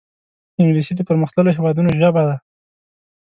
انګلیسي د پرمختللو هېوادونو ژبه ده